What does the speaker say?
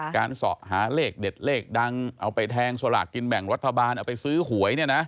เสาะหาเลขเด็ดเลขดังเอาไปแทงสลากกินแบ่งรัฐบาลเอาไปซื้อหวย